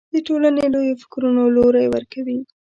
د ټولنې لویو فکرونو لوری ورکوي